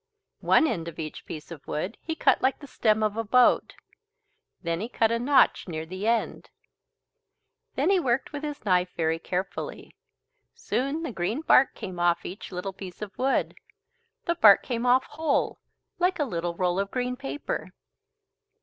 One end of each piece of wood he cut like the stern of a boat, then he cut a notch near the end. Then he worked with his knife very carefully. Soon the green bark came off each little piece of wood. The bark came off whole, like a little roll of green paper.